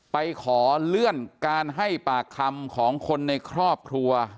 ไปขอเลื่อนการให้ปากคำของคนในครอบครัว